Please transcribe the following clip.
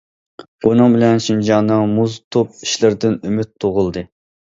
بۇنىڭ بىلەن شىنجاڭنىڭ مۇز توپ ئىشلىرىدىن ئۈمىد تۇغۇلدى.